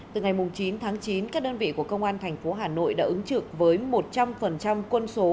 từ ngày chín tháng chín các đơn vị của công an thành phố hà nội đã ứng trực với một trăm linh quân số